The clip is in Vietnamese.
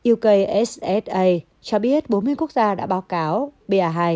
ukssa cho biết bốn mươi quốc gia đã báo cáo ba hai